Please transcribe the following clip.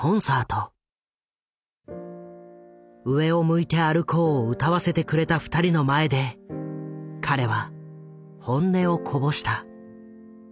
「上を向いて歩こう」を歌わせてくれた二人の前で彼は本音をこぼした。